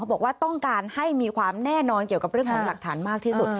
บอกว่าต้องการให้มีความแน่นอนเกี่ยวกับเรื่องของหลักฐานมากที่สุด